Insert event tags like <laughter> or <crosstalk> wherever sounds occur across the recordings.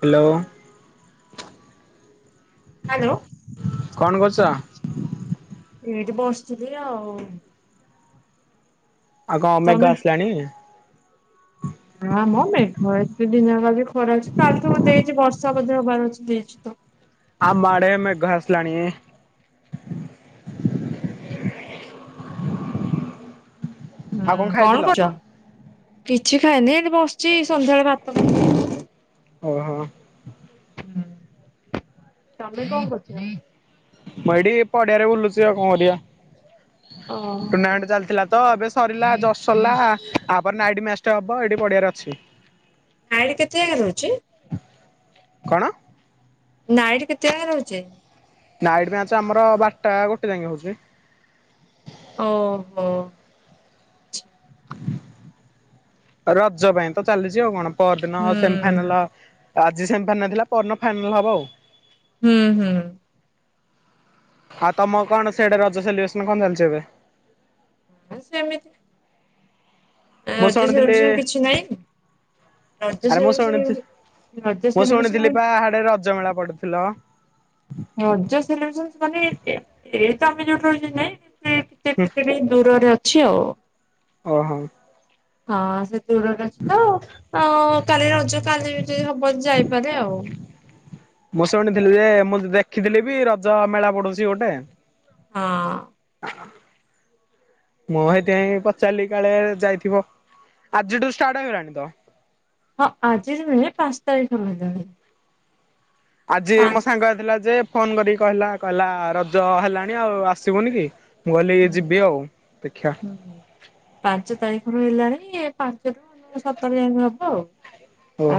Hello. Hello. କଣ କରୁଚ? ଏଇଠି ବସିଥିଲି ଆଉ-ଉ-ଉ। ଆଗ କଣ ତମେ ମେଘ ଆସିଲାଣି? ଆ ମୋ ମେଘ ଏତେ ଦିନ ହେଲା <unintelligible> ଖରା ଅଛି କାଲିଠୁ ଦେଇଛି ବର୍ଷା ବୋଧେ ହବାର ଅଛି ଦେଇଛି ତ। ଆମ ଆଡେ ମେଘ ଆସିଲାଣି-ଇ-ଇ। ଆଉ କଣ ଖାଇଥିଲ? କିଛି ଖାଇନି ଏମିତି ବସିଚି ସନ୍ଧ୍ୟାବେଳେ ଭାତ ଖା ଓହୋ। ତମେ କଣ କରୁଛ? ମୁଁ ଏଇଠି ପଡିଆରେ ବୁଲୁଛି ଆଉ କଣ କରିବା। ଓହୋ ଟୁର୍ଣ୍ଣାମେଣ୍ଟ ଚାଲିଥିଲା ତ ଏବେ ସରିଲା ଜଷ୍ଟ ସରିଲା-ଆ-ଆ। ତାପରେ ନାଇଟି ମ୍ୟାଚଟା ହବ ଏଇଠି ପଡ଼ିିଆରେ ଅଛି। ନାଇଟି କେତେ-ଏ-ଏ ନେଉଛି? କଣ? ନାଇଟ୍ କେତେ ଯାଏ ରହୁଛି? ନାଇଟ୍ ମ୍ୟାଚ ଆମର ବାରଟା ଗୋଟେ ଯାଏ ହଉଛି। ଓହୋ। ଆଚ୍ଛା ରଜ ପାଇଁ ତ ଚାଲିଛି ଆଉ କଣ ପରଦିନ ହୁଁ ସେମିଫାଇନାଲ। ଆଜି ସେମିଫାଇନାଲ ଥିଲା ପରିଦିନ ଫାଇନାଲ୍ ହବ। ହୁଁ ହୁଁ। ଆଉ ତମର କଣ ସେଇଆଡେ ରଜ ସେଲିବ୍ରେସନ୍ କଣ ଚାଲିଛି ଏବେ? ସେମିତି। ଆ ମୁଁ ରଜ ଶୁଣିଥିଲି ସେଲିବେସନ୍ କିଛି ନାଇଁ ରଜ ଆରେ ମୁଁ ସେଇ ଶୁଣିଥିଲି <unintelligible> ରଜ୍ ସେଲିବେସନ ରେ ରଜମେଳା ପଡି଼ଥିଲ ରଜ ସେଲିବେସନ ମାନେ ଏ ଏ ତ ଆମେ ଯୋଉଠି ରହିଛୁ <unintelligible> ହୁଁ ନାଇଁ <unintelligible> <unintelligible> ଦୂରରେ ଅଛି ଆଉ। ଓହୋ। ହଁ ସେ ଦୂରରେ ଅଛି ତ ଅ-ଅ-ଅ କାଲି ରଜ କାଲି ଯଦି ହବ ଯାଇପାରେ ଆଉ। ମୁଁ ଶୁଣିଥିଲି ଯେ ମୁଁ ଦେଖିଥିଲି ବି ରଜ ମେଳା ପଡୁଛି ଗୋଟେ। ହଁ। ହ ମୁଁ ସେଇଥିପାଇଁ ପଚାରିଲି କାଳେ-ଏ ଯାଇଥିବ ଆଜିଠୁ ଷ୍ଟାର୍ଟ ହେଇଗଲାଣି ତ। ହଁ ଆଜି ନୁହେଁ ପାଞ୍ଚ ତାରିଖ ରୁ ହେଲାଣି। ଆଜି ମୋ ପାଞ୍ଚ ହୁଁ ସାଙ୍ଗରେ ଆଇଥିଲା ଯେ ଫୋନ କରିକି କହିଲା କହିଲା ରଜ ହେଲାଣି ଆଉ ଆସିବୁନି କି। ମୁଁ କହିଲି ହୁଁ ଯିବି ଆଉ ଦେଖିବା ହୁଁ ହୁଁ। ପାଞ୍ଚ ତାରିଖରୁ ହେଲାଣି, ଏ ପାଞ୍ଚ ରୁ ସତର ଜାଙ୍କେ ହବ ଆଉ।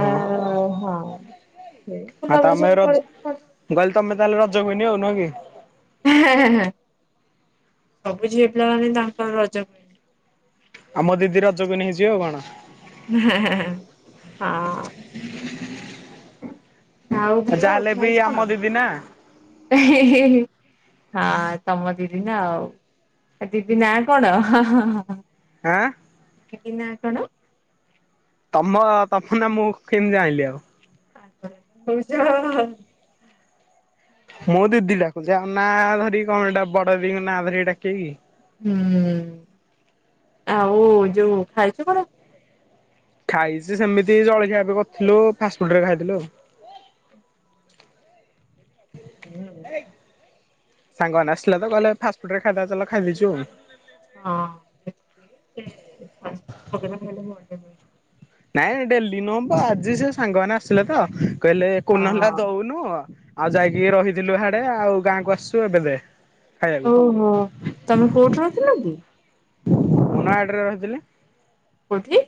ଅ ହଁ, ଏଇ ଆଉ ଫୁଲ ତମେ ଗଛ ରଜ <unintelligible> ମୁଁ କହିଲି ତମେ ତାହେଲେ ରଜ କୁଇନି ଆଉ ନୁହଁ କି। ସବୁ ଝିଅ ପିଲାମାନେ ତାଙ୍କର ରଜ। ଆମ ଦିଦି ରଜ କୁଇନି ହେଇଯିବେ ଆଉ କଣ। ହଁ। ଆଉ ଭଲ, ଯାହାହେଲେ ବି ଖାଇଛୁ ଆମ କଣ? ଦିଦି ନା। ହଁ, ତମ ଦିଦି ନା ଆଉ। ଆ ଦିଦି ନା କଣ? ହାଁ। ଦିଦି ନା କଣ? ତମ, ତମ ନା ମୁଁ କେମିତି ଜାଣିଲି ଆଉ। <unintelligible> ମୁଁ ଦିଦି ଡାକୁୁଛି ଆଉ ନା ଧରିକି କଣ ଏଟା ବଡ ଦିଦିଙ୍କ ନା ଧରିକି ଡାକିବିକି। ହୁଁ, ଆଉ ଯୋଉ ଖାଇଛୁ କଣ? ଖାଇଛି ସେମିତି ଜଳଖିଆ ଏବେ କରିଥିଲୁ ଫାଷ୍ଟଫୁଡ୍ ହେରିକା ଖାଇଥିଲୁ ଆଉ। ହୁଁ ସାଙ୍ଗମାନେ ଆସିଲେତ କହିଲେ ଫାଷ୍ଟ ଫୁଡ୍ ହେରିକା ଖାଇବା ଚାଲ ଖାଇଦେଇଛୁ ଆଉ। ହଁ, <unintelligible> ନାଇଁ ଡେଲି ନୁହଁ ବ ଆଜି ସେ ସାଙ୍ଗମାନେ ଆସିଲେ ତ! କହିଲେ ହଁ କୋଉଦିନ ହେଲା ଦଉନୁ, ଆଉ ଯାଇକି ରହିଥିଲୁ ହିଆଡେ ଆଉ ଗାଁକୁ ଆସିଛୁ ଏବେ ଦେ। ଖାଇବାକୁ। ଓହୋ। ତମେ କୋଉଠି ରହିଥିଲ କି? ନୟାଗଡ଼ରେ ରହିଥିଲି। କୋଉଠି?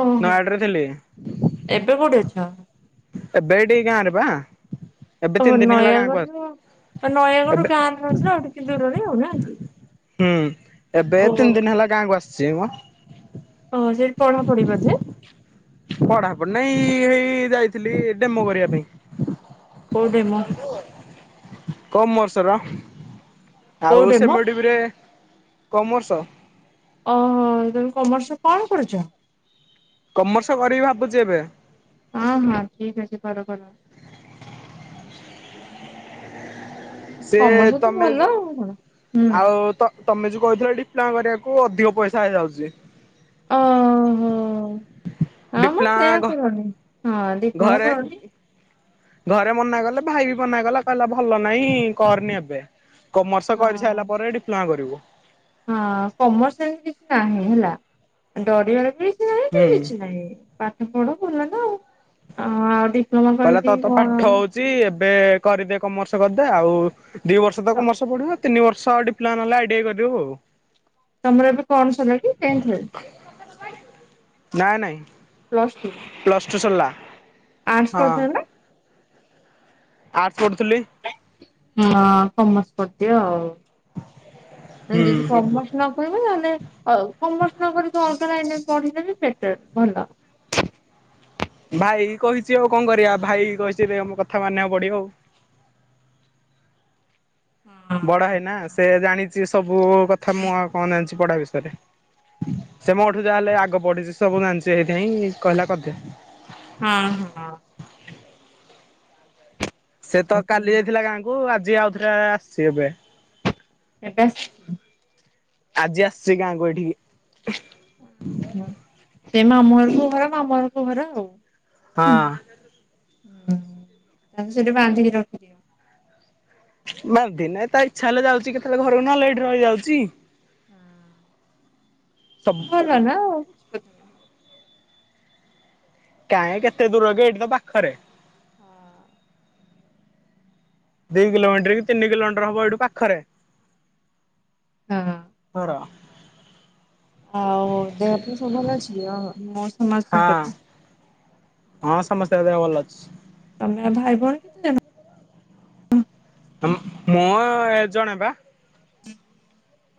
ଓହୋ ନୟାଗଡରେ ଥିଲି। ଏବେ କୋଉଠି ଅଛ? ଏବେ ଏଇଠି ଗାଁ ରେ ବା। ଓହୋ ନୟାଗଡରୁ ତ ଏବେ ନୟାଗଡ ଗାଁରେ ରହୁଥିଲ, ଟିକେ ଦୂରରେ ନାଁ କି। ହୁଁ, ଏବେ ଓ ଏଇ ତିନି ଦିନ ହେଲା ଗାଁକୁ ଆସିଛିମ। ଓହୋ, ସେଇଠି ପଢା ପଢି ବଧେ। ପଢାପଢି ନାଇଁ ଏଇ ଯାଇଥିଲି ଡେମୋ କରିବା ପାଇଁ। କୋଉ ଡେମୋ କମର୍ସ ର। କୋଉ ଆଉ ଡେମୋ <unintelligible> କମର୍ସ। ଓହୋ, ତମେ କମର୍ସରେ କଣ ପଢ଼ୁଛ? କମର୍ସ କରିବି ଭାବୁଛି ଏବେ। ହଁ ହଁ, ଠିକ୍ ଅଛି କର କର। ସେ କମର୍ସ ତ ତମେ ଭଲ ଆଉ କଣ ହୁଁ ଆଉ ତ ତମେ ଯୋଉ କହିଥିଲ ଡିପ୍ଲୋମା କରିବାକୁ ଅଧିକ ପଇସା ହେଇଯାଉଛି। ଓହୋ ହଁ ମ ସେଇଆ ଡିପ୍ଳୋମା କରନି ହଁ ଡିପ୍ଲୋମା ଘରେ କରନି ଘରେ ମନା କଲେ ଭାଇ ବି ମନା କଲା କହିଲା ଭଲ ନାଇଁ କରନି ଏବେ। କମର୍ସ କରି ହଁ ସାରିଲା ପରେ ଡିପ୍ଲୋମା କରିବୁ। ହଁ, କମର୍ସ ରେ ହେମିତି କିଛି ନାହିଁ ହେଲା ଡରିଆର ବି କିଛି ନାହିଁ ହୁଁ କି କିଛି ନାହିଁ। ପାଠ ପଢ ଭଲ ତ ଆଉ ଆଉ ଡିପ୍ଲୋମା କରିକି କଣ ଚି ଏବେ କରିଦେ କମର୍ସ କରିଦେ ଆଉ ଦି ବର୍ଷ ତ କମର୍ସ ପଢିବ ତିନି ବର୍ଷ ଆ ଡିପ୍ଲୋମା ହେଲା ଆଇଡିଆ କରିବ ଆଉ ତମର ଏବେ କଣ ସରିଲା କି ଟେନ୍ଥେ ହେ ନାଇଁ ନାଇଁ ପ୍ଲସ୍ ଟୁ ପ୍ଲସ୍ ଟୁ ସରିଲା ଆର୍ଟସ ହଁ କରଥ ନା ଆର୍ଟସ୍ ପଢୁଥିଲି ହଁ କମର୍ସ କରିଦିଅ ଆଉ ହୁଁ ଯଦି କମର୍ ନକହିବ ନହେଲେ କମର୍ସ ନ କରିକ ଅଲଗା ଲାଇନି ରେ ପଢିଦେବ ବେଟର ଭଲ ଭାଇ କହିଛି ଆଉ କଣ କରିବା ଭାଇ କହିଛିମ କଥା ମାନିବାକୁ ପଡିବ ଆଉ ହୁଁ ବଡ ହେଇନା ସେ ଜାଣିଛି ସବୁ କଥା ମୁଁ ଆଉ କଣ ଜାଣିଛି ପଢା ବିଷୟରେ ସେ ମୋଠୁ ଯାହାହେଲେ ଆଗ ବଢିଛି ସବୁ ଜାଣିଛି ଏଇଥିପାଇଁ କହିଲା କରିଦି ହଁ ହଁ ସେ ତ କାଲି ଯାଇଥିଲା ଗାଁକୁ ଆଜି ଆଉଥିଲା ଆସିଛି ଏବେ ଏବେ ଆସ ଆଜି ଆସଛି ଗାଁକୁ ଏଠିକି ହୁଁ ସେ ମାମୁଁ ଘରକୁ ଘର ମାମୁଁ ଘର କୁ ଘର ଆଉ ହଁ ହଁ ତାକୁ ସେଠି ବାନ୍ଧିକି ରଖି ବାନ୍ଧି ନାଇଁ ତା ଇଚ୍ଛା ହେଲେ ଯାଉଛି କେତେବେଳେ ଘରକୁ ନହେଲେ ଏଇଠି ରହିଯାଉଛି ସମ କଲ ନା ଆଉ କିଛି କଥା ନାହିଁ। କାହିଁ କେତେ ଦୂର ଯେ ଏଇଠି ତ ପାଖରେ ହଁ ଦି କିଲୋମିଟର କି ତିନି କିଲୋମିଟର ହବ ଏଇଠୁ ପାଖରେ ହଁ ଫର ଆଉ ଦେହ ପା ସବୁ ଭଲ ଅଛି ଅ ମଉସା ମାଉସୀ ହଁ ଙ୍କର ହଁ ସମସ୍ତ ଙ୍କ ଦେହ ଭଲ ଅଛି ତମେ ଭାଇ ଭଉଣୀ କେତେ ଜଣ? ମ୍ ମୁଁ ଜଣେ ବା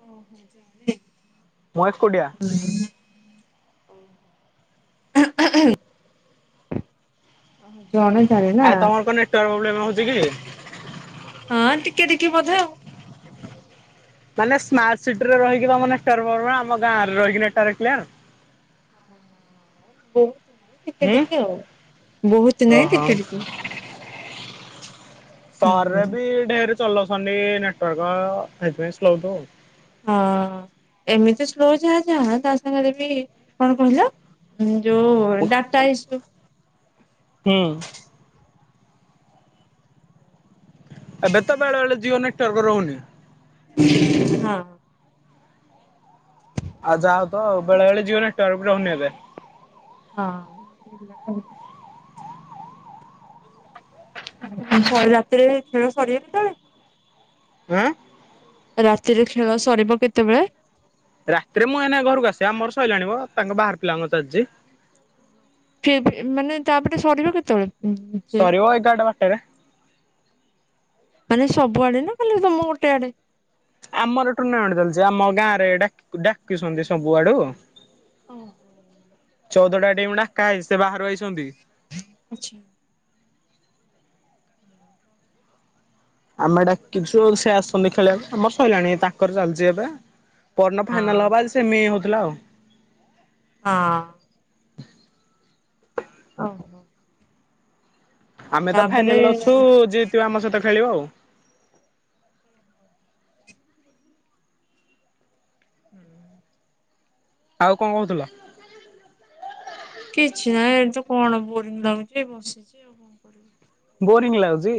ଓ ହୋ <unintelligible> ମହେଶ କଟିଆ ହ ଓ <inaudible> <inaudible> ଆ ତମର କଣ ନେଟାର୍ ପ୍ରୋବ୍ଲେମ ହଉଛି କି ହଁ ଟିକେ ଟିକି ବୋଧେ ଆଉ ମାନେ ସ୍ମାର୍ଟ ସିଟିରେ ରହିି ତମ ନେଟର୍ ପରବମ ଆମ ଗାଁରେ ରହିକି ନେଟାର୍କ <unintelligible> ବହୁତ ଟିକେ ହୁଁ ଟିକେ ଆଉ ବହୁତ ନାହିଁ ଓହୋ ଟିକେ ଟିକେ ତାର ରେ ହୁଁ। ବି ଢେର ଚଲଉଛନ୍ତି ନେଟୱାର୍କ ସେଥିପାଇଁ ସ୍ଲୋୁ ଆଉ ହଁ ଏମିତି ସ୍ଲୋ ଯାହା ଯାହା ତା ସାଙ୍ଗରେ ବି କଣ କହିଲ ଯୋଉ ଡାଟା ଇସୁ। ହୁଁ। ଏବେ ତ ବେଳେବେଳେ ଜିଓ ନେଟୱର୍କ ରହୁନି। ହଁ। ଆଉ ଯାଅ ତ ବେଳେବେଳେ ଜିଓ ନେଟୱର୍କ ବି ରହୁନି ଏବେ। ହଁ। ରାତିରେ ଖେଳ ସରିବ କେତେବେଳେ? ଉଁ ରାତିରେ ଖେଳ ସରିବ କେତେବେଳେ? ରାତିରେ ମୁଁ ଏଇନା ଘରକୁ ଆସିବା ଆମର ସରିଲାଣିି ମ ତାଙ୍କ ବାହାର ପିଲାଙ୍କର ଚାଲିଚି। ସିଏପିମାନେ ତାପରେ ସରିବ କେତେବେଳେ? ଯେ ସରିବ ଏଗାରଟା, ବାରଟା ରେ। ମାନେ ସବୁଆଡେ ନା ଖାଲି ତମ ଗୋଟେ ଆଡେ? ଆମର ଟୁରନାମେଣ୍ଟ ଚାଲିଛି ଆମ ଗାଁରେ ଏଟା ଡାକିଛନ୍ତି ସବୁ ଆଡୁ। ଓ ଚଉଦଟା ଟିମ୍ ଡାକା ହେଇଛି ସେ ବାହାରୁ ଆଇଛନ୍ତି। ଆଚ୍ଛା। <unintelligible> ଆମେ ଡାକିଛୁ ସେ ଆସନ୍ତି ଖେଳିବା ପାଇଁ ଆମର ସରିଲାଣି ତାଙ୍କର ଚାଲିଛି ଏବେ। ପହରଦିନ ଫାଇନାଲ ହଁ ହବ ଆଜି ସେମି ହଉଥିଲା ଆଉ। ହଁ। ଓହୋ। ଆମେ ତ ତାପରେ ଫାଇନାଲରେ ଅଛୁ ହୁଁ। ଯିଏ ଜିତିବ ଆମ ସହିତ ଖେଳିବ ଆଉ। <unintelligible> ହୁଁ। ଆଉ କଣ କହୁଥିଲ? କିଛି ନାହିଁ ଏଠି ତ କଣ ବୋରିଂ ଲାଗୁଛି ଏ ବସିଛି ଆଉ କଣ କରିବି। ବୋରିଂ ଲାଗୁଛି।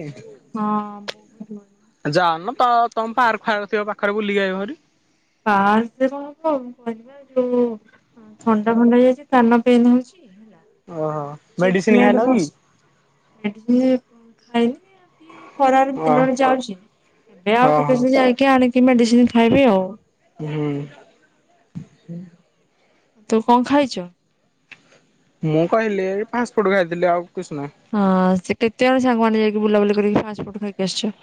ହଁ ବହୁତ ବୋରିଙ୍ଗ ଯାଉନ ତମ ପାର୍କ ଫାର୍କ ଥିବ ପାଖରେ ବୁଲିକି ଆଇବ ଭାରି। ପାର୍କ <inaudible> କହିବା ଯୋଉ ଥଣ୍ଡା ଫଣ୍ଡା ହେଇଯାଇଛି କାନ ପେନ୍ ହଉଛି। ହେଲା ଓହୋ। ଚୁପ୍ ମେଡିସିନ ଖାଇନ କି? ବସି ମେଡିସିନ ଖାଇଲି। କି ଖରାରେ ଓ ଦିନ ଅଳେ ଯାଉଛି ଏ ଆଉ ଓହୋ। କେତେଳେ ଯାଇକି ଆଣିକି ମେଡିସିନ ଖାଇବି ଆଉ। ହୁଁ। ହୁଁ। ତୁ କଅଁ ଖାଇଛୁ? ମୁଁ କହିଲି ଏଇ ଫାଷ୍ଟଫୁଡ ଖାଇଥିଲି ଆଉ କିଛି ନା। ହଁ ସେ କେତେ ଜଣ ସାଙ୍ଗ ମାନେ ଯାଇକି ବୁଲାବୁଲି କରିକି ଫାଷ୍ଟଫୁଡ ଖାଇକି ଆସିଛ?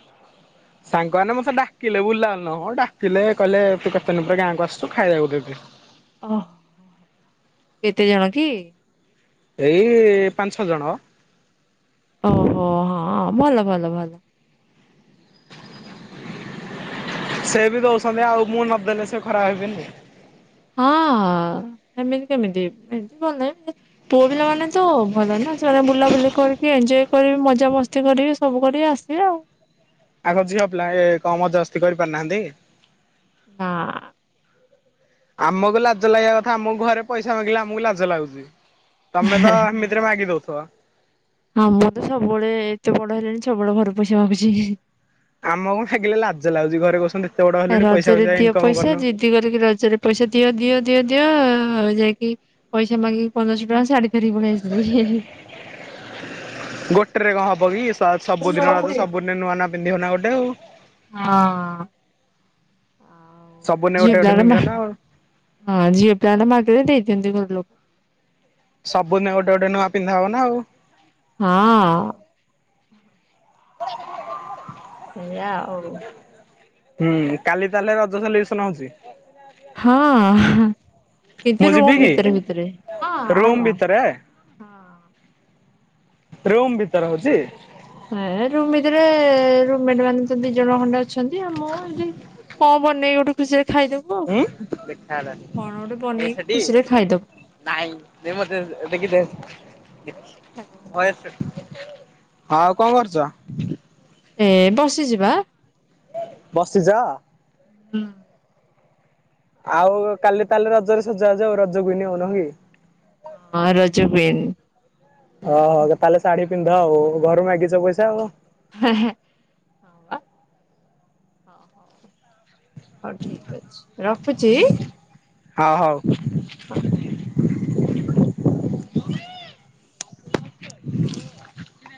ସାଙ୍ଗମାନେ ମତେ ଡାକିଲେ ବୁଲା ନୁହଁ ମ ଡାକିଲେ କହିଲେ ତୁ କେତେ ଦିନ ପରେ ଗାଁକୁ ଆସଛୁ ଖାଇବାକୁ ଦେ। ଓହ। କେତେ ଜଣ କି? ଏଇ ପାଞ୍ଚ ଛଅ ଜଣ। ଓହୋ ହଁ ଭଲ ଭଲ ଭଲ। ସେ ବି ଦଉଛନ୍ତି ଆଉ ମୁଁ ନଦେଲେ ସେ ଖରାପ ଭାବିବେନି। ହଁ ସେମିତି କେମିତି ଏମିତି ଭଲେ ପୁଅ ପିଲାମାନେ ତ ଭଲ ନା ସେମାନେ ବୁଲାବୁଲି କରିକି ଏଞ୍ଜୟ୍ କରିବେ ମଜାମସ୍ତି କରିବେ ସବୁ କରିବେ ଆସିବେ ଆଉ। ଆଉ କଣ ଝିଅ ପିଲା ଏ କଣ ମଜା ମସ୍ତି କରିପାରୁନାହାନ୍ତି? ନା। ଆମକୁ ଲାଜ ଲାଗିବା କଥା ଆମକୁ ଘରେ ପଇସା ମାଗିଲେ ଆମକୁ ଲାଜ ଲାଗୁଛି। ତମେ ତ ଏମିତିରେ ମାଗି ଦଉଥବ ହଁ ମୁଁ ତ ସବୁବଳେ ଏତେ ବଡ ହେଲିଣି ସବୁବଳେ ଘରୁ ପଇସା ମାଗୁଚି। ଆମକୁ ମାଗିଲେ ଲାଜ ଲାଗୁଚି ଘରେ କହୁଚନ୍ତି ଏତେ ବଡ ଏ ହେଲୁଣି ପଇସା ରଜରେ ଫଇସା ଦିଅ ଇନକମ ପଇସା କରୁନ। ଜିଦି କରିକି ରଜରେ ପଇସା ଦିଅ ଦିଅ ଦିଅ ଦିଅ ଆଉ ଯାଇକି ପଇସା ମାଗିକି ପନ୍ଦରଶହ ଟଙ୍କା ଶାଢ଼ୀ ଧରିକି ପଳେଇଆସିଥିଲି ଗୋଟେରେ କଣ ହବ କି ସବୁଦିନ ହଁ। ସବୁଦିନ ନୂଆ ନୂଆ ପିନ୍ଧିବନା ଗୋଟେ ଆଉ। ହଁ ଆଉ ସବୁଦିନେ ଗୋଟେ ଗୋଟେ ଝିଅପିଲାରା ନା ପିନ୍ଧିବ ଆଉ ହଁ ଝିଅ ପିଲାଟା ମାଗିଲେ ଦେଇଦିଅନ୍ତି ଘର ଲୋକ ସବୁଦିନ ଗୋଟେ ଗୋଟେ ନୂଆ ପିନ୍ଧା ହବ ନା ଆଉ। ହଁ। ସେୟା ଆଉ ହୁଁ କାଲି ତାହାଲେ ରଜ ସେଲିବେସନ ହୋଉଚି। ହଁ ମୁଁ କିନ୍ତୁ ଯିବି ରୁମ କି ଭିତରେ ଭିତରେ ହଁ ରୁମ୍ ଆଉ ଆ ଭିତରେ? ରୁମ୍ ଭିତରେ ହଉଚି? ହେ ରୁମ ଭିତରେ ରୁମ ମେଟ ମାନେ ତ ଦି ଜଣ ଖଣ୍ଡେ ଅଛନ୍ତି ଆ ମୁଁ ଏମତି କଣ ବନେଇକି ଗୋଟେ ଖୁସିରେ ଖାଇଦବୁ ଆଉ ଉଁ। କଣ କଣ ଗୋଟେ ଏ ବନେଇକି ସେଠି ଖୁସିରେ ଖାଇଦବୁ ନାଇଁ ଦେ ମତେ ଦେଖି ଦେ ଭଏସ ହଁ ଆଉ କଣ କରୁଚ? ଏ ବସିଚି ବା। ବସିଚ? ହୁଁ। ଆଉ କାଲି ତାହାଲେ ରଜରେ ସଜ ବାଜ ଆଉ ରଜ କୁଇନ ନୁହୁଁ କି? ହଁ ରଜ କୁଇନ୍। ହଁ ତାହାଲେ ଶାଢୀ ପିନ୍ଧ ଆଉ ଘରୁ ମାଗିଚ ପଇସା ଆଉ। ହେ ହେ ହଁ ବା ହଁ। ଅହୋ ହଉ ଠିକ ଅଛି ରଖୁଚି। ହଁ ହୋଉ। ହଉ।